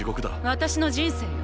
私の人生よ